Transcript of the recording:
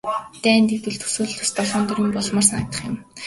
Дайн дэгдвэл төсөөлснөөс долоон доор юм болмоор санагдах юм.